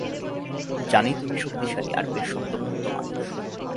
জানি তুমি শক্তিশালী আর বেশ শক্তপোক্ত মানুষ।